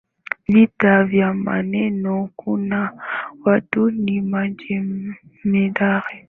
Vita vya maneno kuna watu ni majemedari